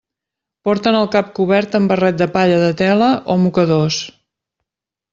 Porten el cap cobert amb barret de palla de tela o mocadors.